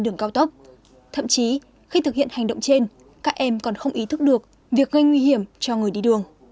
đường cao tốc thậm chí khi thực hiện hành động trên các em còn không ý thức được việc gây nguy hiểm cho người đi đường